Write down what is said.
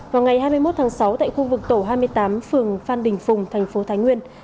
vào ngày hai mươi một tháng sáu tại khu vực tổ hai mươi tám phường phan đình phùng thành phố thái nguyên